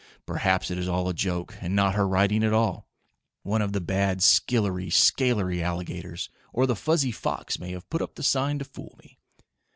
Perhaps it is all a joke, and not her writing at all. One of the bad skillery scalery alligators or the fuzzy fox may have put up the sign to fool me."